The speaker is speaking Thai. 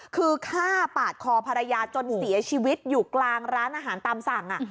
คือฆ่าปาดคอภรรยาจนเสียชีวิตอยู่กลางร้านอาหารตามสั่ง